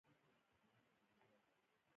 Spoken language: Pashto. کيسه چې مې ورته وکړه.